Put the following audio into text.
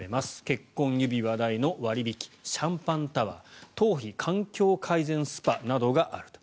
結婚指輪代の割引シャンパンタワー頭皮環境改善スパなどがあると。